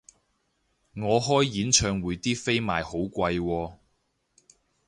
我開演唱會啲飛賣好貴喎